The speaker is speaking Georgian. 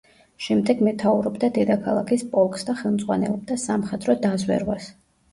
შემდეგ მეთაურობდა დედაქალაქის პოლკს და ხელმძღვანელობდა სამხედრო დაზვერვას.